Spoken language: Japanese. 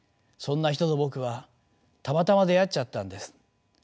そんな人と僕はたまたま出会っちゃったんです。